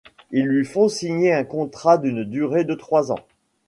Ils lui font signer un contrat d'une durée de trois ans.